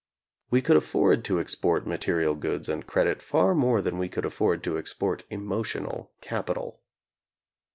We could afford to export material goods and credit far more than we could afford to export emotional capital.